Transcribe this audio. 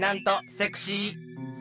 セクシー？